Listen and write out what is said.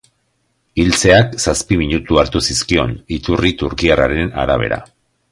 Hiltzeak zazpi minutu hartu zizkion, iturri turkiarraren arabera.